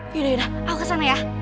yaudah yaudah aku kesana ya